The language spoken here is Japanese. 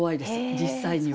実際には。